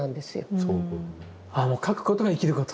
描くことが生きること。